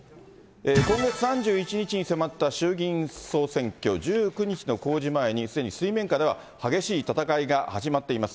今月３１日に迫った衆議院総選挙、１９日の公示前に、すでに水面下では激しい戦いが始まっています。